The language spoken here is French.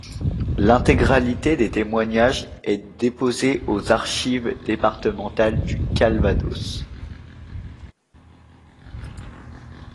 L'intégralité des témoignages est déposée aux Archives Départementales du Calvados.